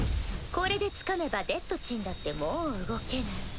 これでつかめばデッドちんだってもう動けない。